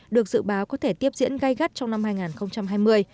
được dự báo có thể tiếp diễn gai gắt trong năm hai nghìn hai mươi